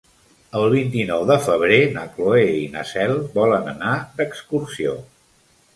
El vint-i-nou de febrer na Cloè i na Cel volen anar d'excursió.